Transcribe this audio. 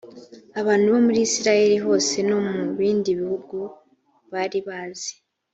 abantu bo muri isirayeli hose no mu bindi bihugu bari bazi